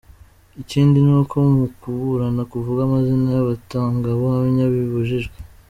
Ikindi ni uko mu kuburana, kuvuga amazina y’abatangabuhamya bibujijwe.